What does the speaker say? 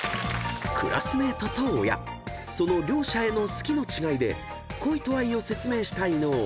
［クラスメートと親その両者への好きの違いで恋と愛を説明した伊野尾。